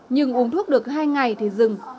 nhưng uống thuốc được hai ngày thì dừng